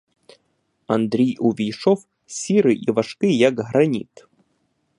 Андрій увійшов, сірий і важкий, як граніт.